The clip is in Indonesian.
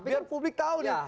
biar publik tahu nih